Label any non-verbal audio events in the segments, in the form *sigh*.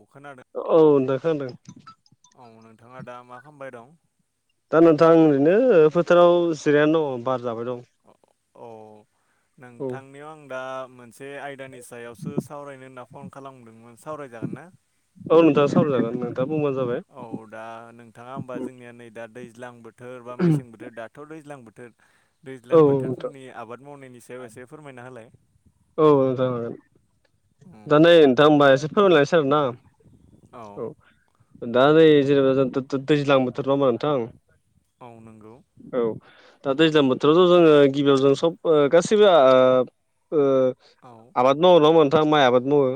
अ खोनादों? औ नोंथां खोनादों। औ नोंथाङा दा मा खालामबाय दं? दा नोंथांं ओरैनो फोथाराव जिरायनानै दङ बार जाबाय दं। औ औ नोंथांनियाव आं दा मोनसे आयदानि सायावसो सावरायनो होनना फन खालामदोंमोन सावरायजागोन ना? औ नोंथां सावरायजागोन नोंथांआ बुंबानो जाबाय। औ दा नोंथाङा होमबा जोंनिया नै दा दैज्लां बोथोर बा मेसें बोथोर दा थ' दैज्लां बोथोर औ दैज्लां नोंथां बोथोरफोरनि आबाद मावनायनि सायाव एसे फोरमायना होलाय। औ जागोन दा नै नोंथां होमबा एसे फोरमायलायसै आरोना औ दा नै जेनेबा जों द-द-दैज्लां बोथोर नंङाओमबा नोंथां? औ नोंगौ। औ दा दैज्लां बोथोरावथ' जोङो गिबियाव जों सब गासैबो आ ओ ओ औव आबाद मावो नंङा होमबा नोंथां माइ आबाद मावो।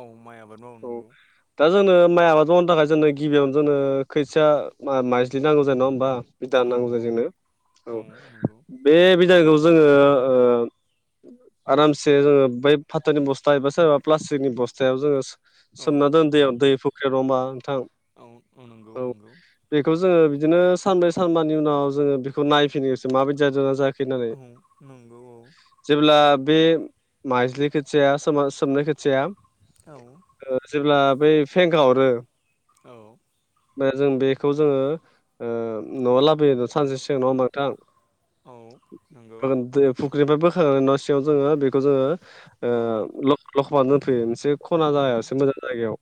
औ माइ आबाद औ मावनांगौ। दा जोंनो माइ आबाद मावनो थाखाय जोंनों गिबियावनो जोंनो खोथिया मा-माइजलि नांगौ जायो नङा होमबा बिदा औ नांगौ जायो औ जोंनो औ बे बे जागायाव जोङो ओ आरामसे औ जोङो बै फाथोनि बस्था एबा सोरबा प्लास्टिकनि बस्थायाव जोङो औ सोमना दोन दैयाव औ दै फुख्रियाव नङा होनबा नोंथां नंगौ औ नंगौ बेखौ जोङो बिदिनो सानब्रै सानबानि उनाव जोङो बेखौ नायफिनो गोसो माबायदि जादों ना जायाखै होननानै औ नंगौ औ जेब्ला बे माइजलि खोथिया सोमा सोमनाय खोथिाया औ ओ जेब्ला बै फेंखा हरो औ ओमफ्राय जों बेखौ जोङो ओ न'आ लाबोयो सानसे सिगां नंङा ओमबा नोंथां। औ नंगौ फुख्रिनिफ्राय बोखांनानै न' सिङाव जोङो बेखौ जोङो ओ औ ल-लखबा दोनफैयो मोनसे खना औ जायासो मोजां जायगायाव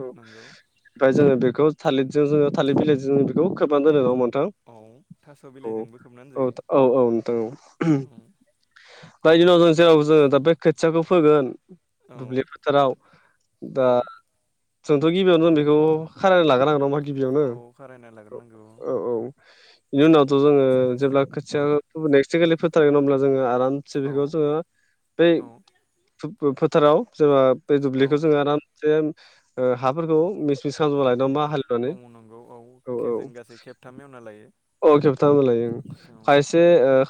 औ नंगौ ओमफ्राय जोङो बेखौ थालिरजों जोङो थालिर बिलाइजों जों बेखौ खोब दोनो नङा होनबा औ थास' नोंथां। बिलाइजोंबो खोबनानै औ जायो औ औ औ नोंथां औ औ दाय दिनाव जों जेराव जोङो दा बे खोथियाखौ फोगोन औ दुब्लि फोथाराव औ दा जोंथ' गिबियावनो दे बेखौ खारायना लागोनांगोन नङा होमबा मा गिबियावनो औ खारायना औ लाग्रोनांगौ औ औ बिनि उनावथ' जोङो जेब्ला खोथिया औ नेक्स्टखालि फोथारगोन ओमब्ला जोङो आराम जि औ बिखौ जोङो बै औ फोथाराव जेनेबा बै औ दुब्लिखौ जोङो आराम जेन ओ हाफोरखौ बि औ सानजा लायदों होमबा औ हालेवनानै नंगौ औ जों गासै खेबथाम एवना लायो औ अ खेबथामलाय औ खायस से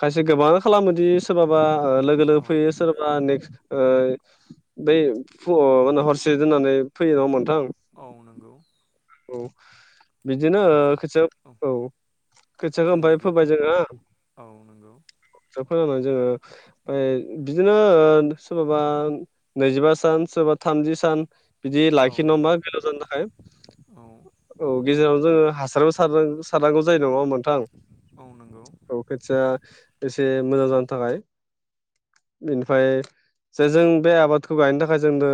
खायसे गोबाङानो खालामोदि सोराबा लोगो लोगो औ फैयो सोर बा नेक्स बै माने हरसे दोननानै फैयो नङा होमबा नोंथां औ नंगौ औ बिदिनो औ जों खोथिया औ खोथियाखौ जोंनि ओमफाय खेथ फोबाय जोंहा औ नंगौ दा फोनानै जोङो ओमफ्राय बिदिनो ओ सोरबाबा नैजिबा सान सोरबा थामजि सान बिदि औ लाखि नङा नंगौ होमबा बेलाव जानो थाखाय औ औ गेजेरावनो जोङो हासारबो सार सारनांगौ जायो नङा नोंथां औ नंगौ औ खोथिया एसे मोजां जानो थाखाय बेनिफाय जे जों बे आबादखौ गायनो थाखाय जोंनो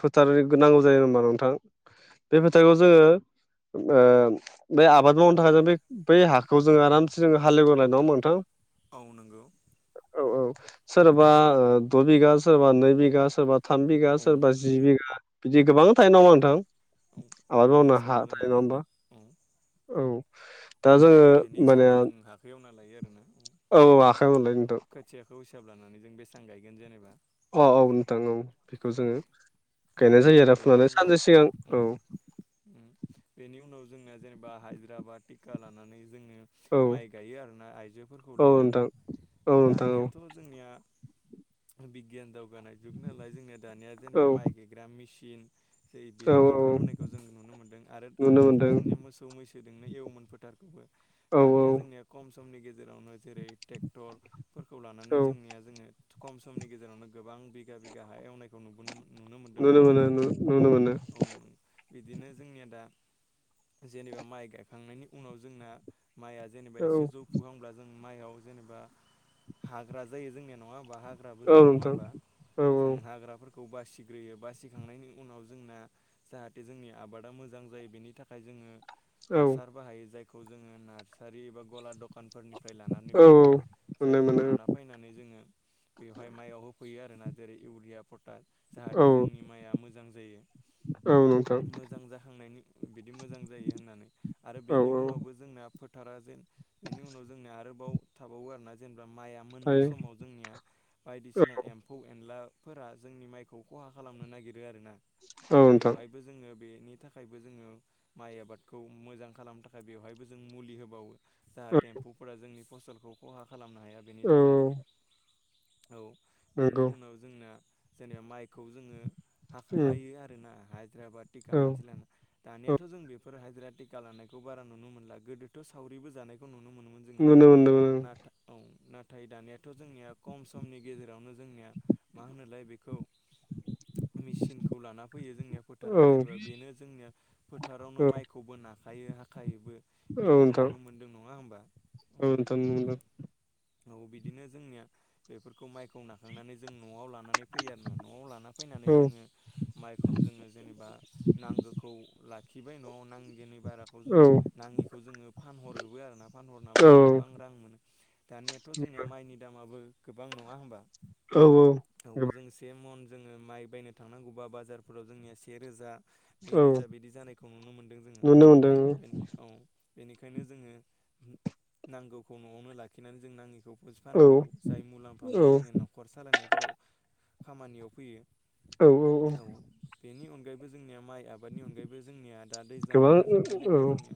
फोथार नांगौ जायो होनबा नोंथां फिथाइखौ जोङो ओ बे आबाद मावनो थाखाय जों बे बै हाखौ जों आरामसे जों हालेवग्रनाय नङा होमबा नोंथां औ नंगौ औ औ सोरबा द' बिघा सोरबा नै बिघा सोरबा थाम बिगा औ सोरबा जि बिघा बिदि गोबां थायो ओमबा नोंथां औ आबाद बेनि मावनो हा हिसाबाव थायो जोंहा नङा होमबा औ औ दा जोङो बेनि माने हिसाबाव औ जों हाखौ एवना लायो आरोना औ औ आखाइ मोनलाय नोंथ' खोथियाखौ हिसाब लानानै जों बेसां गायगोन जेनेबा औ औ नोंथां औ बेखौ उम जोङो गायनाय जायो आरो बेनि फुनानै उनाव सानसे सिगां औ उम उम बेनि उनाव जोंना जेनेबा हाजिरा बा टिका लानानै जोङो औ माइ गायो आरोना आइजोफोरखौ औ लिंनानै नोंथां औ नोंथां औ दानियाथ' जोंनि बिगियान दावगानाय जुग नालाय जोंनि दानिया औ जेनेबा माइ गायग्रा मि सिन जै औ बिदिबो औ ओंखारबोनायखौ जों नुनो मोन्दों आरो नुनो आगोलथ' मोनदों जोंनिया मोसौ मैसोदोंनो एवमोन फोथारखौबो औ औ दानिया जोंनिया खम समनि गेजेरावनो जेरै ट्रेक्टरफोरखौ लानानै औ जोंनिया जोंङो कम समनि गेजेरावनो गोबां बिगा बिगा हा एवनायखौ नुबोनो नुनो मोनो नङा होमबा नु नुनो मोनो औ नं बिदिनो जोंनिया दा जेनेबा माइ गायखांनायनि उनाव जोंना माइया जेनेबा औ एसे जौफुहांब्ला जों माइआव जेनेबा हाग्रा जायो जोंनिया नङा होमबा हा ग्राबो औ जायो नङा नोंथां होमबा? औ जों हाग्राफोरखौ बासिग्रोयो बासि थिखांनायनि उनाव जोंना जाहाथे जोंनि आबादा मोजां जायो बेनि थाखाय जोंङो औ हासार बाहायो जायखौ जोङो नार्सारि बा गला दखानफोरनि फ्राय लानानै औ फैयो मोनो जायखौ मोनो लाना बायनानै जोंङो बेयावहाय माइयाव होफैयो आरोना जेरै इउिया पता औ जाहाथे जोंनि माइया मोजां जायो औ नोंथां मोजां जाखांनायनि बिदि मोजां जायो होननानै आरो औ बेनि औ उनावबो जोंना फोथारा जेन बेनि उनाव जोंनिया आरोबाव थाबावो आरोना जेनेबा माइआ मोननो थायो समाव जोंनिया बायदिसिना एम्फौ एनलाफोरा जोंनि माइखौ खहा खालामनो नागिरो आरोना औ नोंथां बेवहायबो जोङो बेनि थाखायबो जोङो माइ आबादखौ मोजां खालामनो थाखाय बेवहायबो जों मुलि होबावो औ जाहाथे एम्फौफोरा जोंनि फसलखौ खहा खालामनो हाया बेनि औ थाखाय औ, बेनि नंगौ उनाव जोंना जेनेबा माइ खौ जोंङो उम हायो आरो ना। हाजिरा बा थिखा औ मानसि लाना। औ दानियाथ' जों बेफोर हाजिरा थिका लानायखौ बारा नुनो मोनला, गोदोथ' सावरिबो जानायखौ नुनो मोनोमोन जोङो, नुनो मोनदों नाथा औ नाथाय दानियाथ' जोंनिया खम समनि गेजेरावनो जोंनिया मा होनोलाय बेखौ मेचिनखौ लाना फैयो जोंनिया औ फोथाराव जेनेबा बेनो जोंनिया फोथारावनो औ माइखौबो नाखायो हाखायोबो औ बेदिखौ नोंथां नुनो मोनदों नङा होमबा? औ, नोंथां नंगौ। औ बिदिनो जोंनिया बेफोरखौ माइखौ नाखांनानै जों न'आव लाना नानै फैयो आरो ना न'आव लाना फैनानै मोनदों जोङो माइखौ जोङो जेनेबा नांगोखौ लाखिबाय न'आव नाङि ङिनि बाराखौ जों औ नाङिखौ जोङो फानहरोबो आरो ना, फानहरनाबो औ जों औ गोबां रां मोनो। दानियाथ' जोंनिया माइनि दामाबो गोबां नङा होमबा? औ औ। औ, गोबां जों से मन जोङो माइ बायनो थांनांगौबा बाजारफोराव जोंनिया से रोजा नै औ रोजा बिदि जानायखौ नुनो मोनदों जोङो औ नुनो मोनदों बे औ। बेनिखायनो जोङो, नांगौखौ न'आवनो लाखिनानै जों नाङिखौ *unintelligible* औ फाननांगौ जाय मुलाम्फा औ मोनो जोंनि न'खर सालायनायफोराव। खामानियाव फैयो, औ औ। बेनि अनगायैबो जोंनिया माइ आबादनि अनगायैबो जोंनिया दा दैज्लां गोबां बोथोर जोबनाय लोगो औ लोगो जोंनिया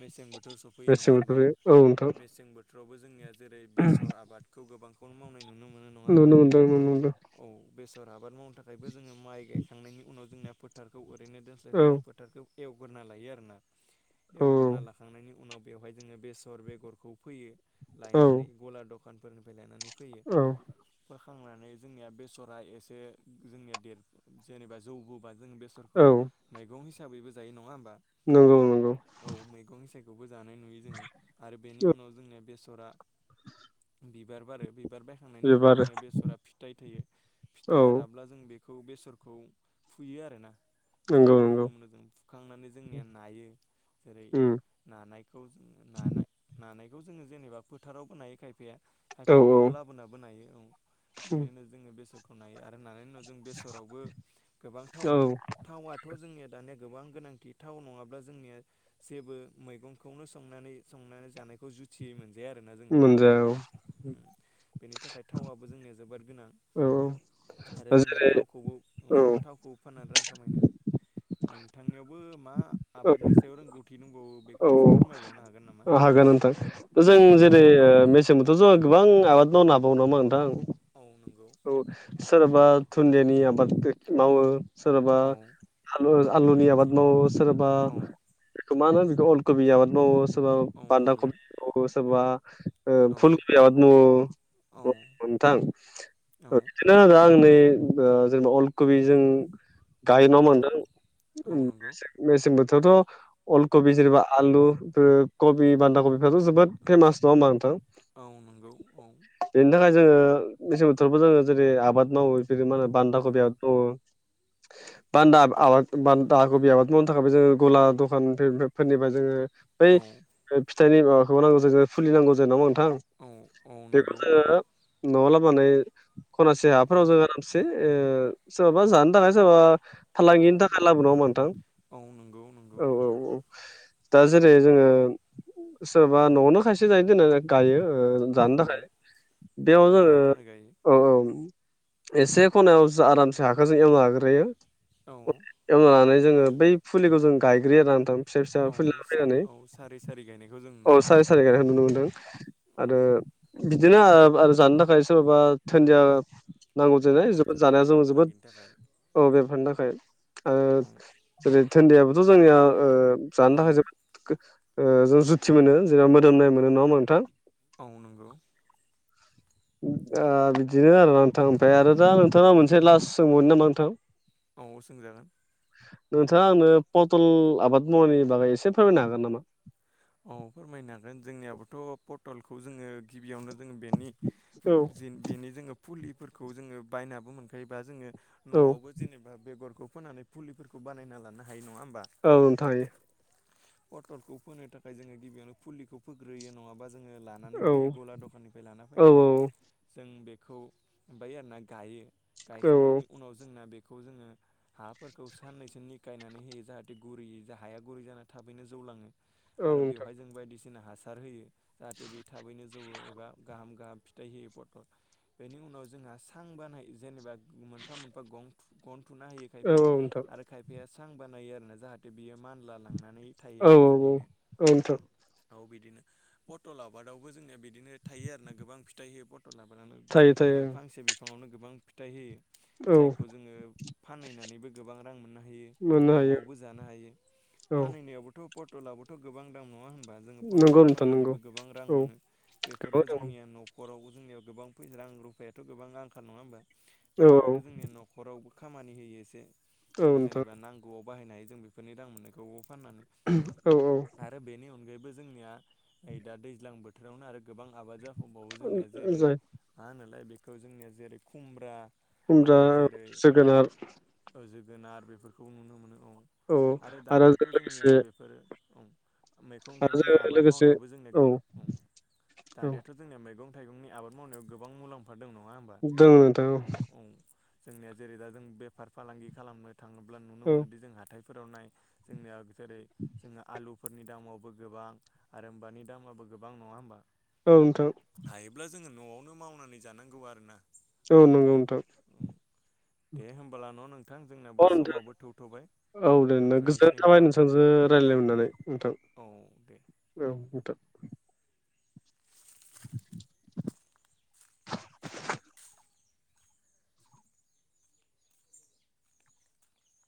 मेसें बोथोर सफैयो मेसें नङा होमबा? बोथोरनि औ नोंथां मेसें बो ‌ थोरावबो जोंनिया जेरै बेसर आबादखौ गोबांखौनो मावनाय नुनो मोनो नङा होमबा नुनो मोनदों नुनो‌ मोनदों। औ, बेसर आबाद मावनो थाखायबो जोङो माइ गायखांनायनि उनाव जोंना फोथारखौ ओरैनो दोन औ स्लायस्लाय जों फोथारखौ एवगोरना लायो आरोना। औ एवगोरना ला खांनायनि उनाव बेवहाय जोङो बेसर बेगरखौ फैयो औ लायनानै गला दखानफोरनिफ्राय लायनानै फोयो। औ फोखांनानै जोंनिया बे‌ सरा एसे जोंनिया देर जेनेबा जौबोबा जों बेसरखौ औ मैगं हिसाबैबो जायो नङा होमबा? नंगौ नंगौ। औ मैगं सायखौबो जानाय नुयो जोङो आरो बेनि उनाव जोंना बेसरा बिबार बारो, बिबार बायखांनायनि उनाव बिबार जोंनिया बेसरा फिथाइ थाइयो। औ फिथाइआ राब्ला जों बेखौ बेसरखौ फुयो आरोना। नंगौ फुंनायखौ नंगौ नुनो मोनो जों, फुखांनानै जोंनिया नायो जेरै उम नानायखौ जोङो नानाय नानायखौ जोङो जेनेबा फोथारावबो नायो खायफाया औ खायफाया औ न'आव लाबोनाबो नायो औ उम बिदिनो जोङो बेसरखौ नायो आरो नानायनि उनाव जों बेसरावबो गोबां थाव औ मोनो। थावयाथ' जोंनिया दानिया गोबां गोनांथि थाव नङाब्ला जोंनिया जेबो मैगंखौनो संनानै संनानै जानायखौ जुजि थियै मोनजाया आरोना जोनिया थाव मोनजाया औ नङाब्ला उम बेनि थाखाय थावाबो जोंनिया जोबोर गोनां। औ आरो औ जोङो जेरै थावखौबो औ, थावखौ फाननानै रां खामायनाय। नोंथांनियावबो मा औ आबादनि सो बेयाव रोंगौथि दबावो। औ, औ हागोन नोंथां। जों औ जेरै फोरमायलाय मे जोंबोथ' जों गोबां आबाद मावनो हाबावो नामा नोंथां? औ नंगौ। औ सोरबा दुुनदियानि आबाद मावो सोरबा औ आलु-आलुनि आबाद मावो सोरबा औ बेखौ मा होनो बेखौ अलकबि आबाद मावो। सोरबा औ बान्दा नंगौ खब अ मावो सोरबा ओ औ फुल कबि आबाद मावो औ *unintelligible* नोंथां। औ बिदिनो आं नंगौ नै जोंना अलकबि जों गायो नङा औ होमबा नोंथां उम औ नंगौ मेसें मेसें बोथोरावथ' अलकबि औ जेनेबा आलु कबि बान्दा कबिफ्राथ' जोबोद फेमास नङा होनबा नोंथां? औ नंगौ औ बेनि थाखाय जोङो मेसें बोथोरावबो जोङो जेरै आबाद मावो जेरै मा होनो बान्दा औ कबि आबाद मावो। *inaudible* बान्दा आबाद बान्दा कबि आबाद मावनो थाखायबो जोङो गला दखान फोर फोरनिफ्राय जोङो बै औ फिथाइनि माबाखौ नांगौ जायो फुलि नांगौ जायो नङा होमबा नोंथां? औ औ बेखौ नंगौ जोङो न'आव लाबानै खनासे औ हाफोराव जोङो मोनसे सोरबाबा जानो थाखाय सोरबाबा औ फालांगिनि थाखाय लाबो नङा होनबा नोंथां औ नंगौ नंगौ औ औ औ। दा जेरै जोङो सोरबा न'आवनो खायसे जायो दोना गायो‌ ओ। औ जानो औ थाखाय बेयाव औ जोङो जानो थाखाय गायो औ औ एसे खनायाव जो आरामसे हाखो जों एवना लाग्रोयो। औ एवना लानानै जोङो बै फुलिखौ जों गायग्रोयो आरो ना नोंथां। फिसा फिसा औ फुलि लाना फैनानै औ सारि सारि गायनायखौ जों औ नुनो मोनो सारि सारि गायनायखौ नुनो मोनदों। आरो बिदिनो आरो जानो थाखाय सोरबाबा धोनिया नांगौ औ जानाय जोबोद सोरबा जानाया जों बेफार जोबोद फालांगिनि थाखाय औ बेफोरनि थाखाय। औ जेरै थोनदैयाबोथ' जोंनिया जानो औ थाखाय जोबोत जों जुथि मोनो जोंआ मोदोमनाय मोनो नङा होनबा नोंथां। औ नंगौ। ओ बिदिनो आरोना नोंथां ओमफ्राय आरो दा नोथाङा मोनसे लास्ट सोंबावनो नामा नोंथां? औ सोंजागोन। नोथाङा आंनो पटल आबाद मावनायनि बागै एसे फोरमायनो हागोन नामा? औ फोरमायनो हागोन जोंनियाबोथ' पटलखौ जोङो गिबियावनो जोङो बेनि औ जिन बेनि जोङो फुलिफोरखौ जोङो बायनाबो मोनखायोबा जोङो औ न'आवबो जेनेबा बेगरखौ फोनानै फुलिफोरखौ बानायना लानो हायो नङा होमबा? औ नोंथां हायो। पटलखौ फोनो थाखाय जोङो गिबियावनो फुलिखौ फोग्रोयो नङाबा जोङो ला लानानै औ फैयो गला दखाननिफ्राय लाना औ फैनानै औ जों बेखौ ओमफ्राय आरोना गायो। औ गायखांनायनि उनाव जोंना बे खौ जोङो हाफोरखौ साननैसो निखायनानै होयो जाहाथे गुरैयै जा हाया गुरै जानानै थाबैनो जौलाङो औ आरो नोंथां बेवहाय जों बायदिसिना हासार हो जाहाथे बे थाबैनो ज जौवो एबा गाहाम गाहाम फिथाइ होयो पत बेनि उनाव जोंहा सां बानाय जेनेबा मोनफा मोनफा गं गन थुना होयो औ खायफाया औ नोंथां आरो खायफाया सां बानायो आरोना जाहाथे बियो मानला लांनानै थायो औ औ मोजाङैनो। औ नोंथां औ बिदिनो। पथल आबादावबो जोंनिया बिदिनो थायो आरोना गोबां फिथाइ होयो। पट तल आबादानो थायो थायो नो फांसे बिफाङावनो गोबां फिथाइ होयो। औ जायखौ जोङो फानहैनानैबो गोबां रां मोननो हायो मोननो हायो न'आवबो जानो हायो। औ फानहैनायावबोथ' पटलाबोथ' गोबां दाम नङा होनबा? जोङो नंगौ पटलखौ नोंथां नंगौ फाननानैबो गोबां रां औ मोनो गोबां बेफोरबो दङ जोंनिया न' नखरावबो जोंनियाव गोबां फै रां रुफायाथ' गोबां आंखाल नङा होमबा औ औ बेफोरो जोंनि न' खरावबो खामानि होयो एसे औ नोंथां जेनेबा नांगौआव बाहायनाय जों बेफोरनि रां मोननायखौ फाननानै औ औ। आरो बेनि अनगायैबो जोंनिया नै दा दैज्लां बोथोरावनो आरो गोबां आबाद जा हमबाबो जोंनिया जेरै जाय मा होनोलाय बेखौ जोंनिया जेरै खुमब्रा खुमब्रा आरो जेरै जोगोनार ओ जोगोनार बेफोरखौ नुनो मोनो औ। औ आरो जों लोगो जोंनिया बेफोरो ओं मैगं आरो थाइगंनि जों आबाद लोगोसे मावनायावबो जोंनिया औ गोब ओं। औ दानियाथ' जोंनिया मैगं थाइगंनि आबाद मावनायाव गोबां मुलाम्फा दं नङा होमबा? दङ नोंथां औ औ। जोंनिया जेरै दा जों बेफार फालांगि खालामनो थाङोब्ला नुनो औ मोनोदि जों हाथाइफोराव नाय जोंनिया जेरै जोङो आलुफोरनि दामावबो गोबां आरोमबानि दामाबो गोबां नङा होमबा? ओं नोंथां। हायोब्ला जोङो न'आवनो मावनानै जानांगौ आरोना। औ नंगौ नोंथां। औ दे होमब्ला न' नोंथां जोंनाबो अ नोंथां समाबो थौथ'बाय औ दे नों गोजोननाय दोनथ'निसै। थाबाय नोंथांजों रायलायनो मोननानै नोंथां औ दे। औ नोंथां।